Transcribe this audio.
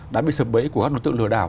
đã bị sập bẫy của các đối tượng lừa đảo